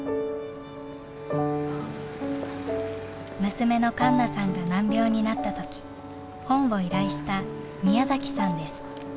娘の栞奈さんが難病になった時本を依頼した宮さんです。